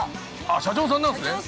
社長さんなんですね。